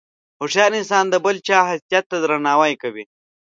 هوښیار انسان د بل چا حیثیت ته درناوی کوي.